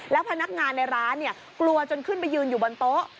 พนักงานในร้านกลัวจนขึ้นไปยืนอยู่บนโต๊ะ